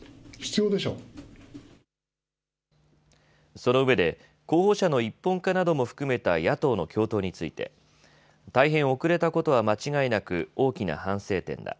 そのうえで候補者の一本化なども含めた野党の共闘について大変遅れたことは間違いなく大きな反省点だ。